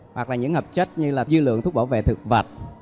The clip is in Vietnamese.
hoặc là những hợp chất như là dư lượng thuốc bảo vệ thực vật